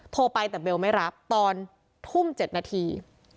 โทรไปแต่เบลไม่รับตอนทุ่ม๗นาที